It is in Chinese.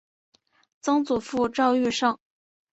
曾祖父赵愈胜。